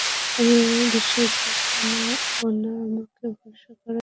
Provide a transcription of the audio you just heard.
আমি বিশ্বাসযোগ্য ও না, আমাকে ভরসা করা যায় না।